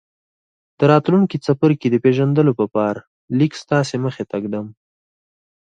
د راتلونکي څپرکي د پېژندلو په پار ليک ستاسې مخې ته ږدم.